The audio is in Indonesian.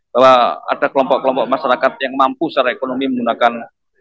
bahwa ada kelompok kelompok masyarakat yang mampu secara ekonomi menggunakan